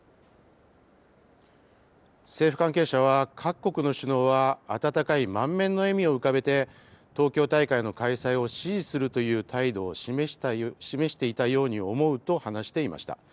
政府関係者は、各国の首脳は温かい満面の笑みを浮かべて、東京大会の開催を支持するという態度を示していたように思うと話していました。